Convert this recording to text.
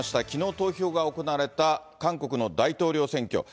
きのう投票が行われた韓国の大統領選挙。